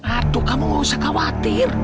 ratu kamu gak usah khawatir